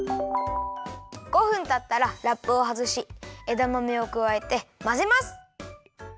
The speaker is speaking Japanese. ５分たったらラップをはずしえだまめをくわえてまぜます。